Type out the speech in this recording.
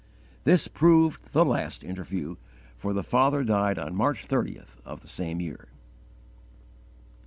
This proved the last interview, for the father died on March 30th of the same year.